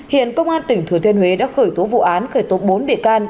hiện công an tỉnh thừa thiên huế đã khởi tố vụ án khởi tố bốn bị can